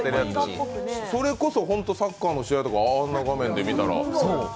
それこそサッカーの試合とかあんな画面で見たら。